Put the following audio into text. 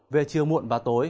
về chiều muộn và tối